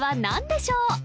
何でしょう？